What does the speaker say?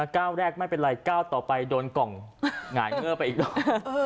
ก้าวแรกไม่เป็นไรก้าวต่อไปโดนกล่องหงายเงอร์ไปอีกแล้ว